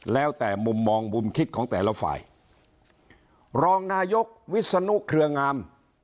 แล้วแต่มุมมองมุมคิดของแต่ละฝ่ายรองนายกวิศนุเครืองาม